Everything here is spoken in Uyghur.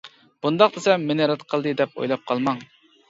-بۇنداق دېسەم، «مېنى رەت قىلدى» دەپ ئويلاپ قالماڭ!